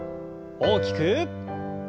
大きく。